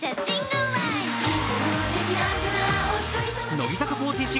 乃木坂４６